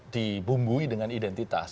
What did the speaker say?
dibumbui dengan identitas